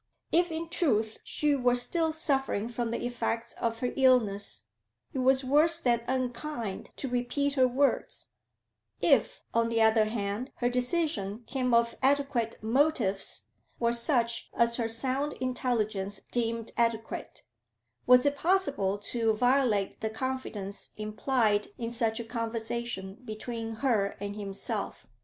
If in truth she were still suffering from the effects of her illness, it was worse than unkind to repeat her words; if, on the other hand, her decision came of adequate motives, or such as her sound intelligence deemed adequate, was it possible to violate the confidence implied in such a conversation between her and himself?